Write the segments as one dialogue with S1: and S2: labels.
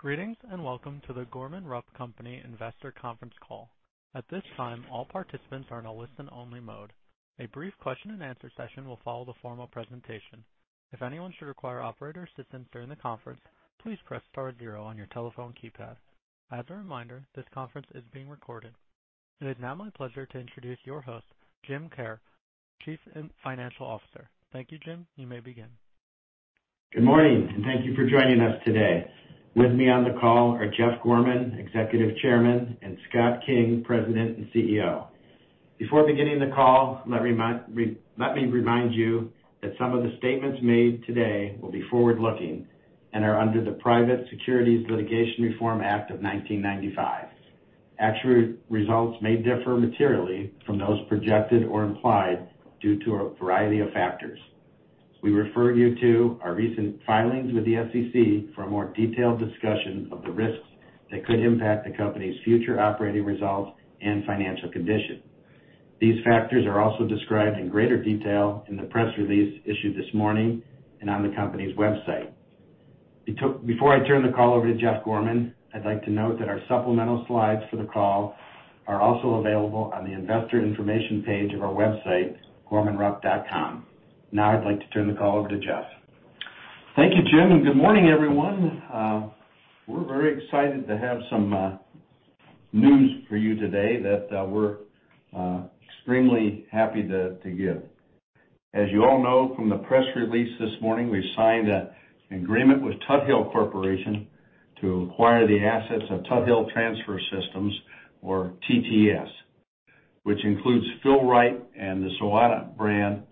S1: Greetings, and welcome to the Gorman-Rupp Company investor conference call. At this time, all participants are in a listen-only mode. A brief question and answer session will follow the formal presentation. If anyone should require operator assistance during the conference, please press star zero on your telephone keypad. As a reminder, this conference is being recorded. It is now my pleasure to introduce your host, Jim Kerr, Chief Financial Officer. Thank you, Jim. You may begin.
S2: Good morning, and thank you for joining us today. With me on the call are Jeff Gorman, Executive Chairman, and Scott King, President and CEO. Before beginning the call, let me remind you that some of the statements made today will be forward-looking and are under the Private Securities Litigation Reform Act of 1995. Actual results may differ materially from those projected or implied due to a variety of factors. We refer you to our recent filings with the SEC for a more detailed discussion of the risks that could impact the company's future operating results and financial condition. These factors are also described in greater detail in the press release issued this morning and on the company's website. Before I turn the call over to Jeff Gorman, I'd like to note that our supplemental slides for the call are also available on the investor information page of our website, gormanrupp.com. Now I'd like to turn the call over to Jeff.
S3: Thank you, Jim, and good morning, everyone. We're very excited to have some news for you today that we're extremely happy to give. As you all know from the press release this morning, we signed an agreement with Tuthill Corporation to acquire the assets of Tuthill Transfer Systems or TTS, which includes Fill-Rite and the Sotera brand.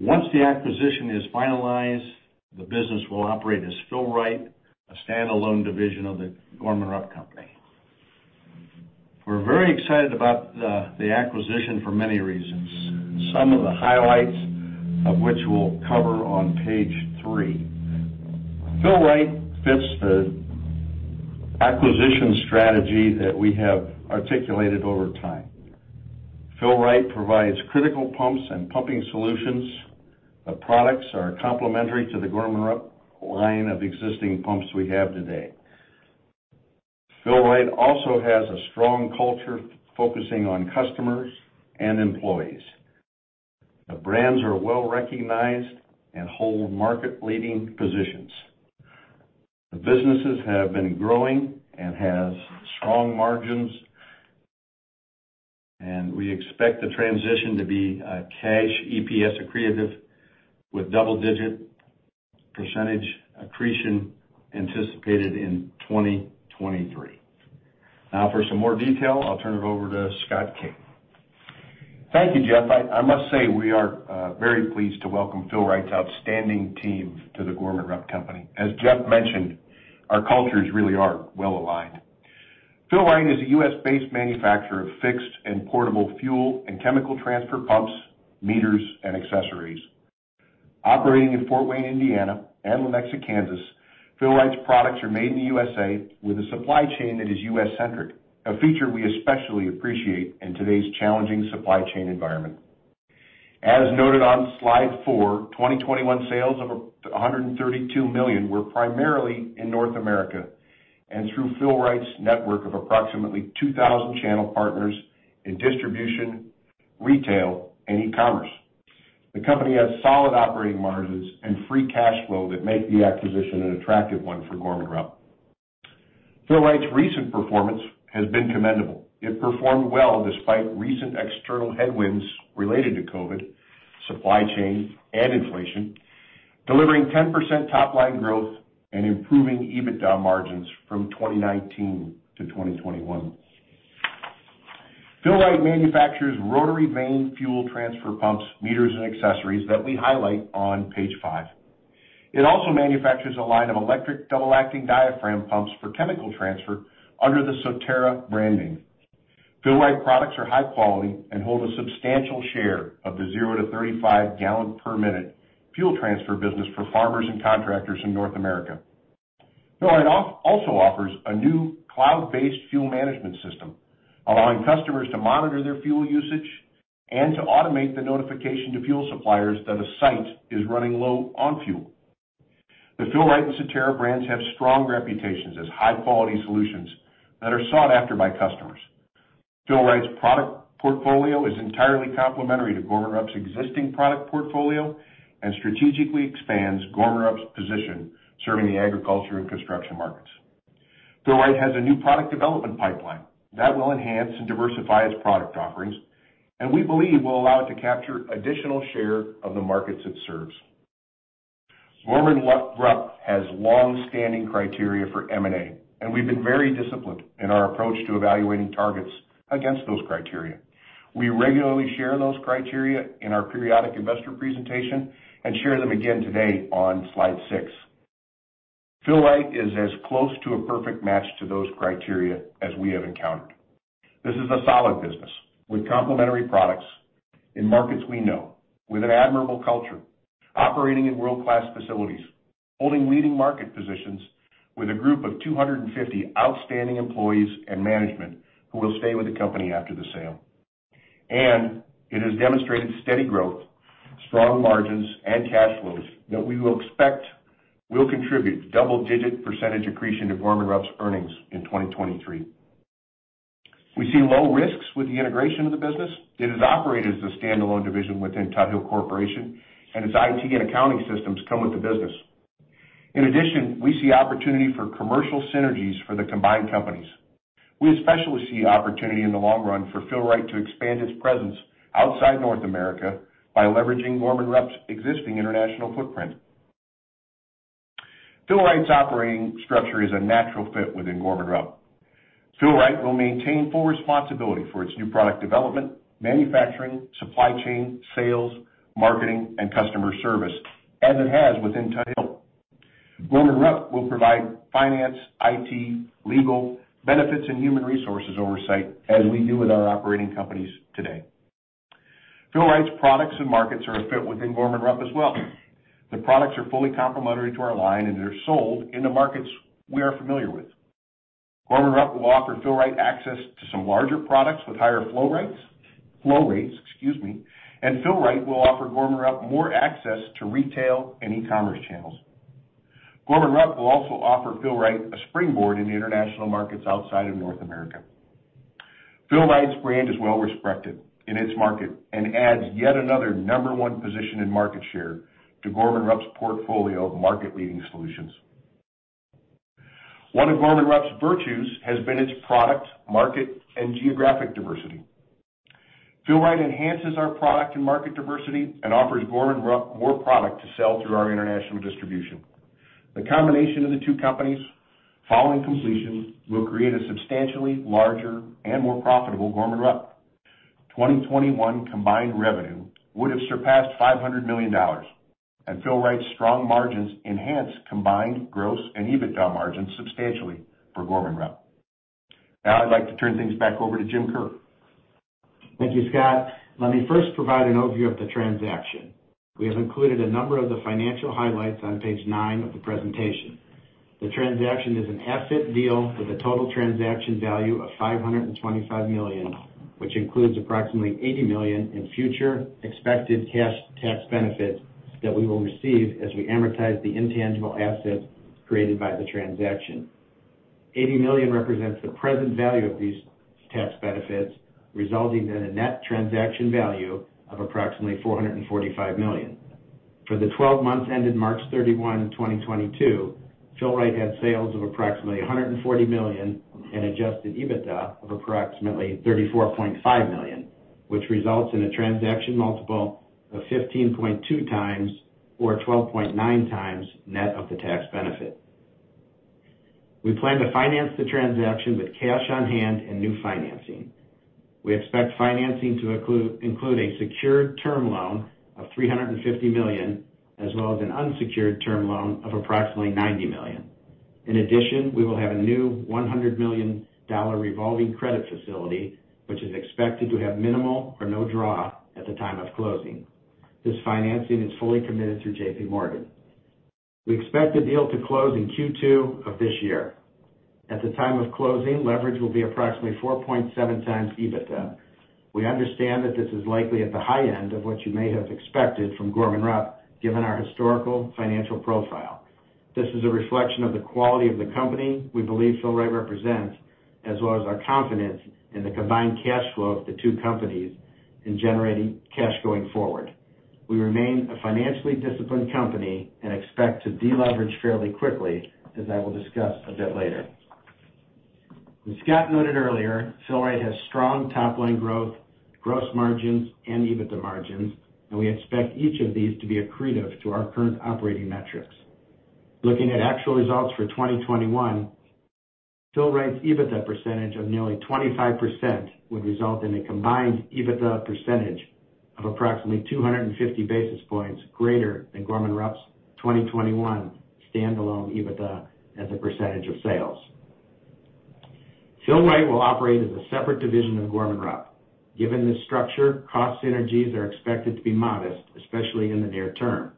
S3: Once the acquisition is finalized, the business will operate as Fill-Rite, a standalone division of the Gorman-Rupp Company. We're very excited about the acquisition for many reasons, some of the highlights of which we'll cover on page three. Fill-Rite fits the acquisition strategy that we have articulated over time. Fill-Rite provides critical pumps and pumping solutions. The products are complementary to the Gorman-Rupp line of existing pumps we have today. Fill-Rite also has a strong culture focusing on customers and employees. The brands are well-recognized and hold market-leading positions. The businesses have been growing and has strong margins, and we expect the transition to be a cash EPS accretive with double-digit % accretion anticipated in 2023. Now for some more detail, I'll turn it over to Scott King.
S4: Thank you, Jeff. I must say we are very pleased to welcome Fill-Rite's outstanding team to the Gorman-Rupp Company. As Jeff mentioned, our cultures really are well-aligned. Fill-Rite is a U.S.-based manufacturer of fixed and portable fuel and chemical transfer pumps, meters, and accessories. Operating in Fort Wayne, Indiana, and Lenexa, Kansas, Fill-Rite's products are made in the USA with a supply chain that is U.S.-centric, a feature we especially appreciate in today's challenging supply chain environment. As noted on slide four, 2021 sales of $132 million were primarily in North America and through Fill-Rite's network of approximately 2,000 channel partners in distribution, retail, and e-commerce. The company has solid operating margins and free cash flow that make the acquisition an attractive one for Gorman-Rupp. Fill-Rite's recent performance has been commendable. It performed well despite recent external headwinds related to COVID, supply chain, and inflation, delivering 10% top-line growth and improving EBITDA margins from 2019 to 2021. Fill-Rite manufactures rotary vane fuel transfer pumps, meters, and accessories that we highlight on page 5. It also manufactures a line of electric double diaphragm pumps for chemical transfer under the Sotera branding. Fill-Rite products are high quality and hold a substantial share of the 0-35 gallon per minute fuel transfer business for farmers and contractors in North America. Fill-Rite also offers a new cloud-based fuel management system, allowing customers to monitor their fuel usage and to automate the notification to fuel suppliers that a site is running low on fuel. The Fill-Rite and Sotera brands have strong reputations as high-quality solutions that are sought after by customers. Fill-Rite's product portfolio is entirely complementary to Gorman-Rupp's existing product portfolio and strategically expands Gorman-Rupp's position serving the agriculture and construction markets. Fill-Rite has a new product development pipeline that will enhance and diversify its product offerings and we believe will allow it to capture additional share of the markets it serves. Gorman-Rupp has long-standing criteria for M&A, and we've been very disciplined in our approach to evaluating targets against those criteria. We regularly share those criteria in our periodic investor presentation and share them again today on slide six. Fill-Rite is as close to a perfect match to those criteria as we have encountered. This is a solid business with complementary products in markets we know, with an admirable culture, operating in world-class facilities, holding leading market positions with a group of 250 outstanding employees and management who will stay with the company after the sale. It has demonstrated steady growth, strong margins and cash flows that we will expect will contribute double-digit % accretion to Gorman-Rupp's earnings in 2023. We see low risks with the integration of the business. It is operated as a standalone division within Tuthill Corporation, and its IT and accounting systems come with the business. In addition, we see opportunity for commercial synergies for the combined companies. We especially see opportunity in the long run for Fill-Rite to expand its presence outside North America by leveraging Gorman-Rupp's existing international footprint. Fill-Rite's operating structure is a natural fit within Gorman-Rupp. Fill-Rite will maintain full responsibility for its new product development, manufacturing, supply chain, sales, marketing, and customer service as it has within Tuthill. Gorman-Rupp will provide finance, IT, legal, benefits, and human resources oversight as we do with our operating companies today. Fill-Rite's products and markets are a fit within Gorman-Rupp as well. The products are fully complementary to our line, and they're sold in the markets we are familiar with. Gorman-Rupp will offer Fill-Rite access to some larger products with higher flow rates, excuse me, and Fill-Rite will offer Gorman-Rupp more access to retail and e-commerce channels. Gorman-Rupp will also offer Fill-Rite a springboard in the international markets outside of North America. Fill-Rite's brand is well-respected in its market and adds yet another number one position in market share to Gorman-Rupp's portfolio of market-leading solutions. One of Gorman-Rupp's virtues has been its product, market, and geographic diversity. Fill-Rite enhances our product and market diversity and offers Gorman-Rupp more product to sell through our international distribution. The combination of the two companies following completion will create a substantially larger and more profitable Gorman-Rupp. 2021 combined revenue would have surpassed $500 million, and Fill-Rite's strong margins enhance combined gross and EBITDA margins substantially for Gorman-Rupp. Now I'd like to turn things back over to Jim Kerr.
S2: Thank you, Scott. Let me first provide an overview of the transaction. We have included a number of the financial highlights on page nine of the presentation. The transaction is an asset deal with a total transaction value of $525 million, which includes approximately $80 million in future expected cash tax benefits that we will receive as we amortize the intangible assets created by the transaction. $80 million represents the present value of these tax benefits, resulting in a net transaction value of approximately $445 million. For the twelve months ended March 31, 2022, Fill-Rite had sales of approximately $140 million and adjusted EBITDA of approximately $34.5 million, which results in a transaction multiple of 15.2x or 12.9x net of the tax benefit. We plan to finance the transaction with cash on hand and new financing. We expect financing to include a secured term loan of $350 million as well as an unsecured term loan of approximately $90 million. In addition, we will have a new $100 million revolving credit facility, which is expected to have minimal or no draw at the time of closing. This financing is fully committed through JP Morgan. We expect the deal to close in Q2 of this year. At the time of closing, leverage will be approximately 4.7x EBITDA. We understand that this is likely at the high end of what you may have expected from Gorman-Rupp, given our historical financial profile. This is a reflection of the quality of the company we believe Fill-Rite represents, as well as our confidence in the combined cash flow of the two companies in generating cash going forward. We remain a financially disciplined company and expect to deleverage fairly quickly, as I will discuss a bit later. As Scott noted earlier, Fill-Rite has strong top-line growth, gross margins, and EBITDA margins, and we expect each of these to be accretive to our current operating metrics. Looking at actual results for 2021, Fill-Rite's EBITDA percentage of nearly 25% would result in a combined EBITDA percentage of approximately 250 basis points greater than Gorman-Rupp's 2021 standalone EBITDA as a percentage of sales. Fill-Rite will operate as a separate division of Gorman-Rupp. Given this structure, cost synergies are expected to be modest, especially in the near term.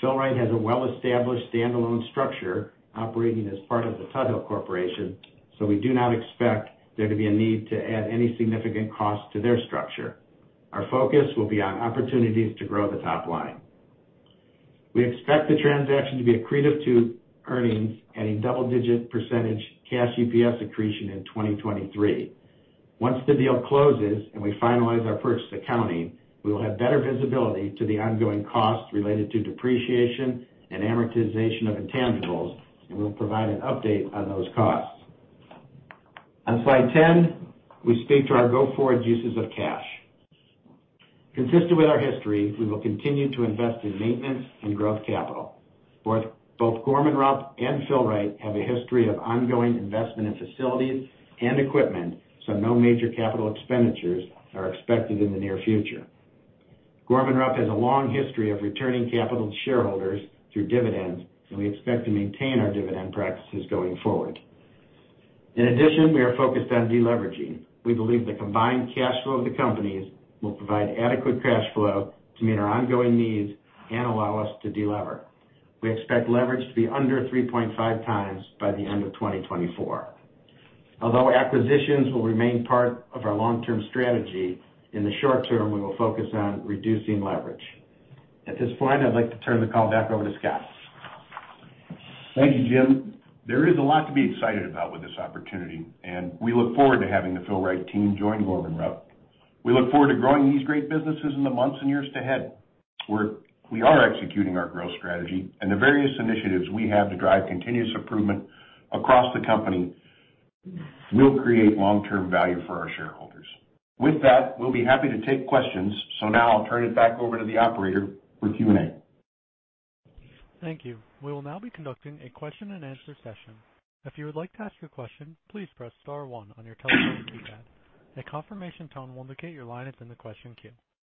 S2: Fill-Rite has a well-established standalone structure operating as part of the Tuthill Corporation, so we do not expect there to be a need to add any significant cost to their structure. Our focus will be on opportunities to grow the top line. We expect the transaction to be accretive to earnings, adding double-digit % cash EPS accretion in 2023. Once the deal closes and we finalize our purchase accounting, we will have better visibility to the ongoing costs related to depreciation and amortization of intangibles, and we'll provide an update on those costs. On slide 10, we speak to our go-forward uses of cash. Consistent with our history, we will continue to invest in maintenance and growth capital. Both Gorman-Rupp and Fill-Rite have a history of ongoing investment in facilities and equipment, so no major capital expenditures are expected in the near future. Gorman-Rupp has a long history of returning capital to shareholders through dividends, and we expect to maintain our dividend practices going forward. In addition, we are focused on deleveraging. We believe the combined cash flow of the companies will provide adequate cash flow to meet our ongoing needs and allow us to de-lever. We expect leverage to be under 3.5x by the end of 2024. Although acquisitions will remain part of our long-term strategy, in the short term, we will focus on reducing leverage. At this point, I'd like to turn the call back over to Scott.
S4: Thank you, Jim. There is a lot to be excited about with this opportunity, and we look forward to having the Fill-Rite team join Gorman-Rupp. We look forward to growing these great businesses in the months and years ahead. We are executing our growth strategy, and the various initiatives we have to drive continuous improvement across the company will create long-term value for our shareholders. With that, we'll be happy to take questions. Now I'll turn it back over to the operator for Q&A.
S1: Thank you. We will now be conducting a question-and-answer session. If you would like to ask a question, please press star one on your telephone keypad. A confirmation tone will indicate your line is in the question queue.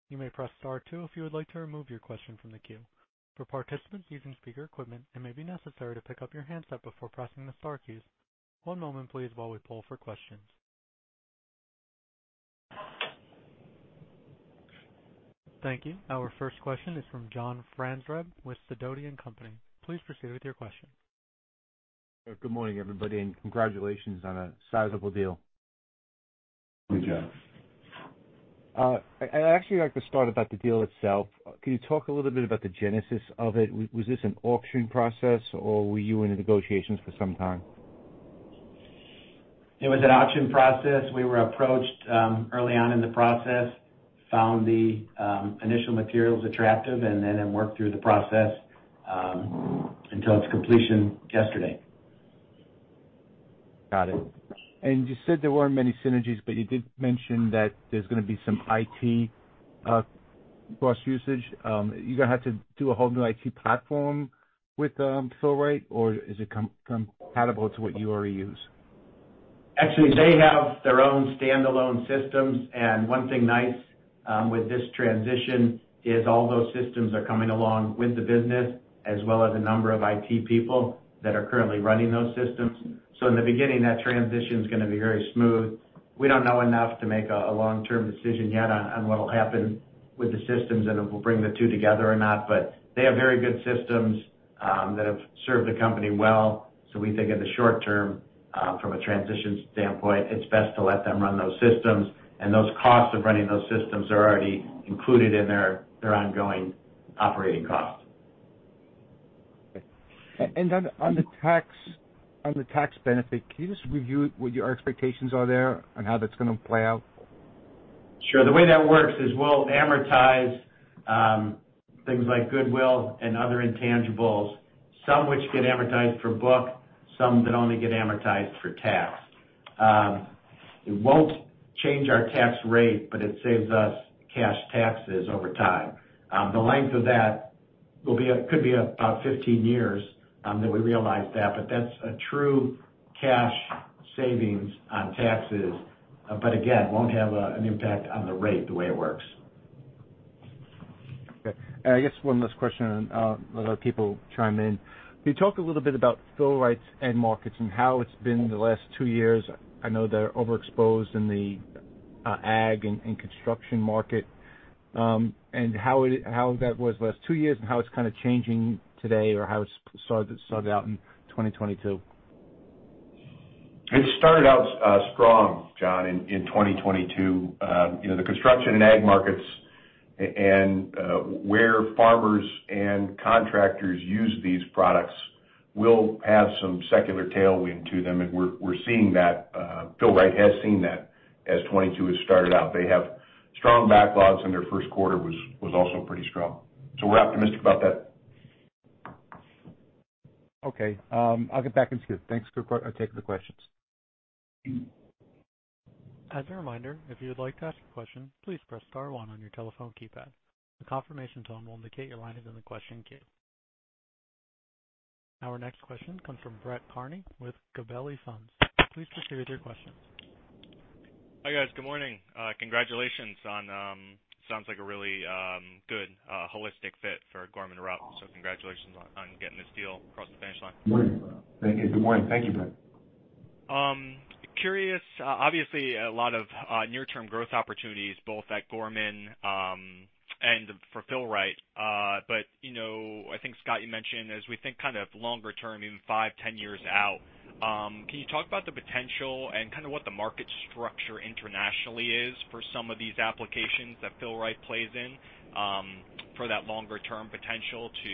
S1: You may press star two if you would like to remove your question from the queue. For participants using speaker equipment, it may be necessary to pick up your handset before pressing the star keys. One moment, please, while we poll for questions. Thank you. Our first question is from John Franzreb with Sidoti & Company. Please proceed with your question.
S5: Good morning, everybody, and congratulations on a sizable deal.
S4: Good job.
S5: I'd actually like to start about the deal itself. Can you talk a little bit about the genesis of it? Was this an auction process, or were you in the negotiations for some time?
S2: It was an auction process. We were approached early on in the process, found the initial materials attractive, and then worked through the process until its completion yesterday.
S5: Got it. You said there weren't many synergies, but you did mention that there's gonna be some IT cost usage. Are you gonna have to do a whole new IT platform with Fill-Rite, or is it compatible to what you already use?
S2: Actually, they have their own standalone systems. One thing nice with this transition is all those systems are coming along with the business, as well as a number of IT people that are currently running those systems. In the beginning, that transition's gonna be very smooth. We don't know enough to make a long-term decision yet on what'll happen with the systems, and if we'll bring the two together or not. They have very good systems that have served the company well. We think in the short term from a transition standpoint, it's best to let them run those systems, and those costs of running those systems are already included in their ongoing operating costs.
S5: On the tax benefit, can you just review what your expectations are there on how that's gonna play out?
S2: Sure. The way that works is we'll amortize things like goodwill and other intangibles, some which get amortized for book, some that only get amortized for tax. It won't change our tax rate, but it saves us cash taxes over time. The length of that will be could be about 15 years that we realize that, but that's a true cash savings on taxes. Again, won't have an impact on the rate the way it works.
S5: Okay. I guess one last question, and I'll let other people chime in. Can you talk a little bit about Fill-Rite's end markets and how it's been the last two years? I know they're overexposed in the ag and construction market, and how that was the last two years and how it's kind of changing today or how it's started out in 2022.
S4: It started out strong, John, in 2022. You know, the construction and ag markets and where farmers and contractors use these products will have some secular tailwind to them, and we're seeing that. Fill-Rite has seen that as 2022 has started out. They have strong backlogs, and their first quarter was also pretty strong. We're optimistic about that.
S5: Okay. I'll get back in queue. Thanks. I'll take the questions.
S1: As a reminder, if you would like to ask a question, please press star one on your telephone keypad. A confirmation tone will indicate your line is in the question queue. Our next question comes from Brett Kearney with Gabelli Funds. Please proceed with your question.
S6: Hi, guys. Good morning. Congratulations. Sounds like a really good holistic fit for Gorman-Rupp, so congratulations on getting this deal across the finish line.
S4: Good morning.
S2: Thank you. Good morning. Thank you, Brett.
S6: Curious, obviously a lot of near-term growth opportunities both at Gorman-Rupp and for Fill-Rite. But, you know, I think, Scott, you mentioned as we think kind of longer term, even five, 10 years out, can you talk about the potential and kind of what the market structure internationally is for some of these applications that Fill-Rite plays in, for that longer term potential to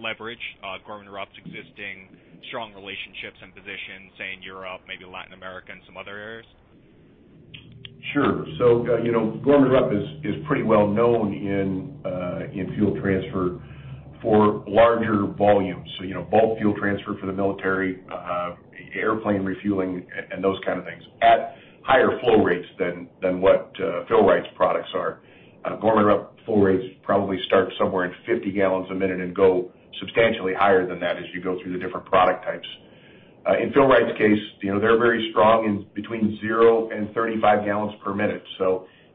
S6: leverage Gorman-Rupp's existing strong relationships and positions, say, in Europe, maybe Latin America and some other areas?
S4: Sure. You know, Gorman-Rupp is pretty well known in fuel transfer for larger volumes. You know, bulk fuel transfer for the military, airplane refueling and those kind of things at higher flow rates than what Fill-Rite's products are. Gorman-Rupp flow rates probably start somewhere in 50 gallons a minute and go substantially higher than that as you go through the different product types. In Fill-Rite's case, you know, they're very strong in between 0 and 35 gallons per minute.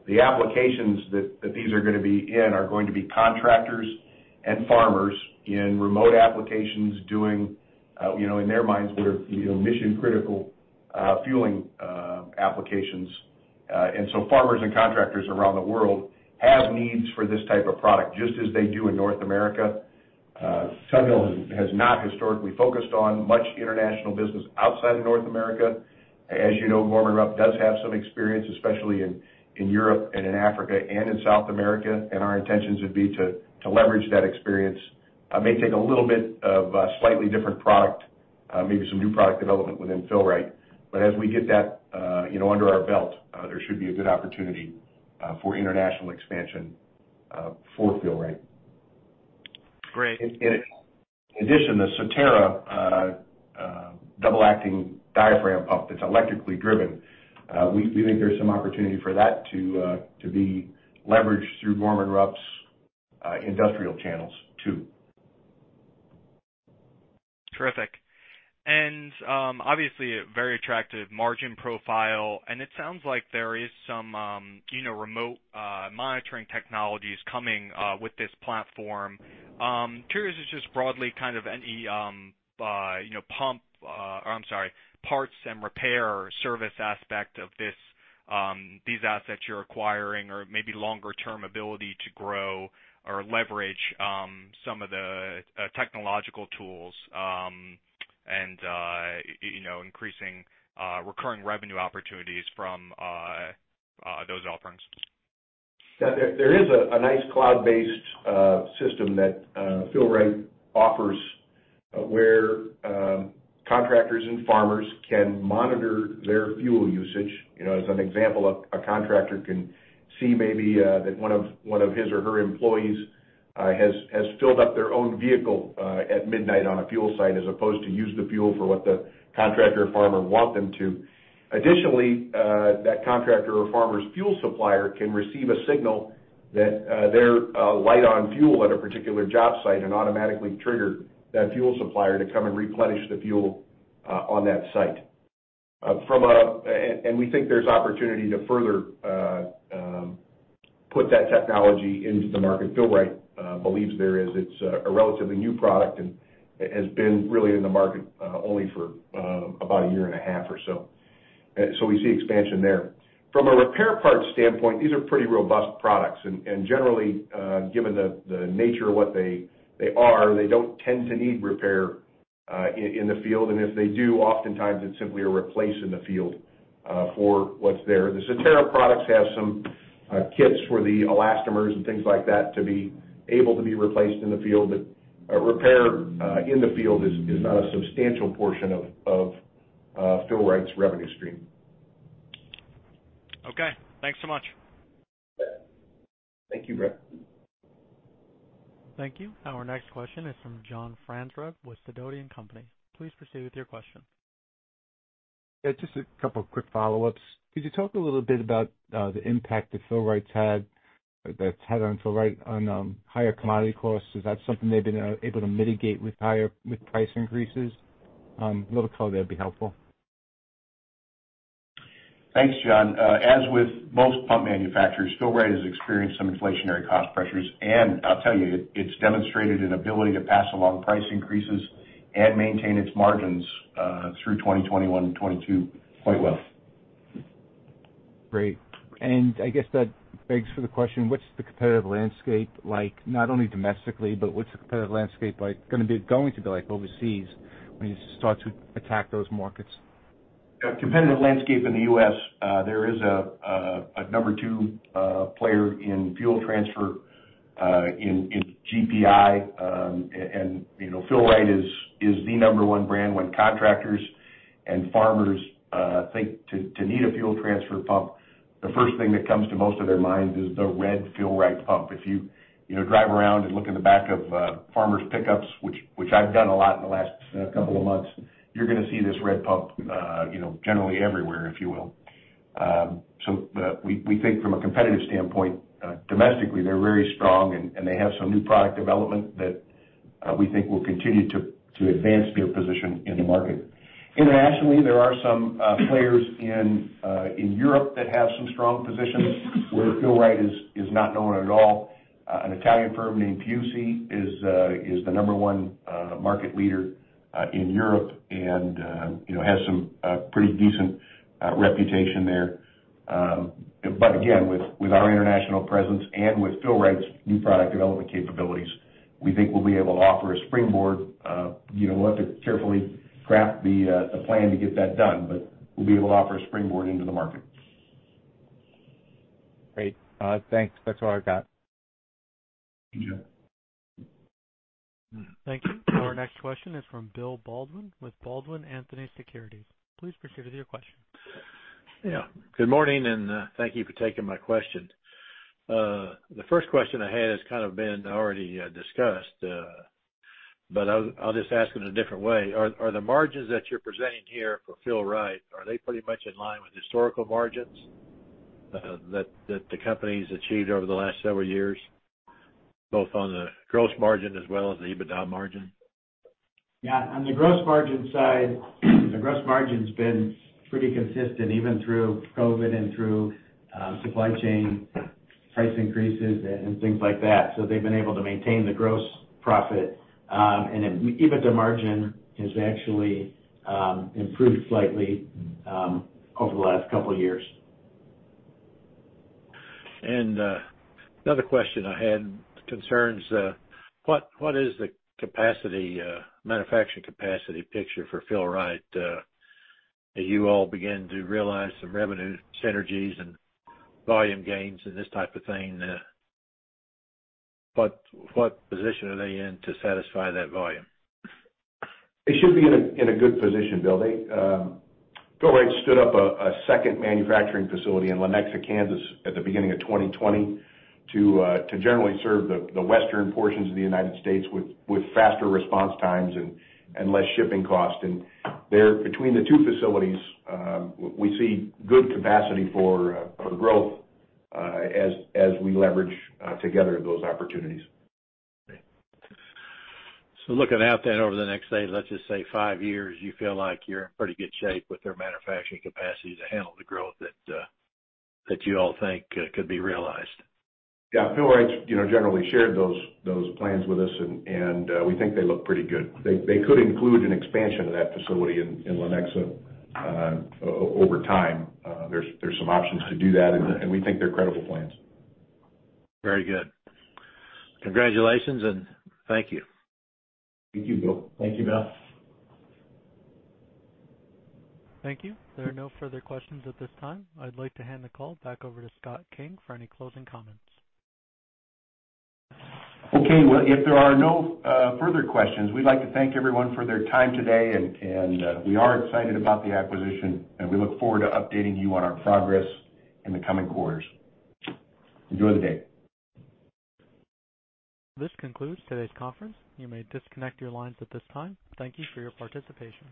S4: The applications that these are gonna be in are going to be contractors and farmers in remote applications doing, you know, in their minds what are, you know, mission-critical fueling applications. Farmers and contractors around the world have needs for this type of product, just as they do in North America. Fill-Rite has not historically focused on much international business outside of North America. As you know, Gorman-Rupp does have some experience, especially in Europe and in Africa and in South America, and our intentions would be to leverage that experience. May take a little bit of a slightly different product, maybe some new product development within Fill-Rite. As we get that, you know, under our belt, there should be a good opportunity for international expansion for Fill-Rite.
S6: Great.
S4: In addition, the Sotera double-acting diaphragm pump that's electrically driven, we think there's some opportunity for that to be leveraged through Gorman-Rupp's industrial channels too.
S6: Terrific. Obviously, a very attractive margin profile, and it sounds like there is some, you know, remote monitoring technologies coming with this platform. Curious is just broadly kind of any, you know, pump or I'm sorry, parts and repair service aspect of this, these assets you're acquiring or maybe longer term ability to grow or leverage, some of the technological tools, and, you know, increasing recurring revenue opportunities from those offerings.
S4: Yeah. There is a nice cloud-based system that Fill-Rite offers, where contractors and farmers can monitor their fuel usage. You know, as an example, a contractor can see maybe that one of his or her employees has filled up their own vehicle at midnight on a fuel site as opposed to use the fuel for what the contractor or farmer want them to. Additionally, that contractor or farmer's fuel supplier can receive a signal that they're light on fuel at a particular job site and automatically trigger that fuel supplier to come and replenish the fuel on that site. We think there's opportunity to further put that technology into the market. Fill-Rite believes there is. It's a relatively new product and has been really in the market only for about a year and a half or so. We see expansion there. From a repair parts standpoint, these are pretty robust products. Generally, given the nature of what they are, they don't tend to need repair in the field. If they do, oftentimes it's simply a replacement in the field for what's there. The Sotera products have some kits for the elastomers and things like that to be able to be replaced in the field, but a repair in the field is not a substantial portion of Fill-Rite's revenue stream.
S6: Okay. Thanks so much.
S4: Yeah. Thank you, Brett.
S1: Thank you. Our next question is from John Franzreb with Sidoti & Company. Please proceed with your question.
S5: Yeah, just a couple of quick follow-ups. Could you talk a little bit about the impact that's had on Fill-Rite on higher commodity costs? Is that something they've been able to mitigate with higher price increases? A little color there would be helpful.
S4: Thanks, John. As with most pump manufacturers, Fill-Rite has experienced some inflationary cost pressures. I'll tell you, it's demonstrated an ability to pass along price increases and maintain its margins through 2021 and 2022 quite well.
S5: Great. I guess that begs for the question, what's the competitive landscape like, not only domestically, but going to be like overseas when you start to attack those markets?
S4: Yeah. Competitive landscape in the U.S., there is a number two player in fuel transfer in GPI. You know, Fill-Rite is the number one brand when contractors and farmers think to need a fuel transfer pump, the first thing that comes to most of their minds is the red Fill-Rite pump. If you know, drive around and look in the back of farmers' pickups, which I've done a lot in the last couple of months, you're gonna see this red pump, you know, generally everywhere, if you will. We think from a competitive standpoint, domestically, they're very strong and they have some new product development that we think will continue to advance their position in the market. Internationally, there are some players in Europe that have some strong positions where Fill-Rite is not known at all. An Italian firm named PIUSI is the No. 1 market leader in Europe and you know has some pretty decent reputation there. Again, with our international presence and with Fill-Rite's new product development capabilities, we think we'll be able to offer a springboard. You know, we'll have to carefully craft the plan to get that done, but we'll be able to offer a springboard into the market.
S5: Great. Thanks. That's all I've got.
S4: Thank you.
S1: Thank you. Our next question is from Bill Baldwin with Baldwin Anthony Securities. Please proceed with your question.
S7: Yeah. Good morning, and thank you for taking my question. The first question I had has kind of been already discussed, but I'll just ask it a different way. Are the margins that you're presenting here for Fill-Rite pretty much in line with historical margins that the company's achieved over the last several years, both on the gross margin as well as the EBITDA margin?
S2: Yeah. On the gross margin side, the gross margin's been pretty consistent, even through COVID and through supply chain.
S4: Price increases and things like that. They've been able to maintain the gross profit. EBITDA margin has actually improved slightly over the last couple of years.
S7: Another question I had: what is the capacity, manufacturing capacity picture for Fill-Rite? As you all begin to realize some revenue synergies and volume gains and this type of thing, what position are they in to satisfy that volume?
S4: They should be in a good position, Bill. Fill-Rite stood up a second manufacturing facility in Lenexa, Kansas at the beginning of 2020 to generally serve the Western portions of the United States with faster response times and less shipping costs. There, between the two facilities, we see good capacity for growth as we leverage together those opportunities.
S7: Looking out then over the next, say, let's just say five years, you feel like you're in pretty good shape with their manufacturing capacity to handle the growth that you all think could be realized.
S4: Yeah. Fill-Rite's, you know, generally shared those plans with us and we think they look pretty good. They could include an expansion of that facility in Lenexa over time. There's some options to do that, and we think they're credible plans.
S7: Very good. Congratulations, and thank you.
S4: Thank you, Bill.
S3: Thank you, Bill.
S1: Thank you. There are no further questions at this time. I'd like to hand the call back over to Scott King for any closing comments.
S4: Okay. Well, if there are no further questions, we'd like to thank everyone for their time today, and we are excited about the acquisition, and we look forward to updating you on our progress in the coming quarters. Enjoy the day.
S1: This concludes today's conference. You may disconnect your lines at this time. Thank you for your participation.